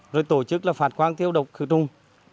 rồi tổ chức là phạt quang tiêu độc khử trùng